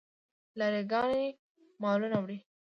لاری ګانې مالونه وړي.